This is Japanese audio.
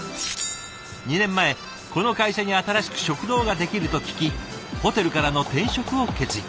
２年前この会社に新しく食堂ができると聞きホテルからの転職を決意。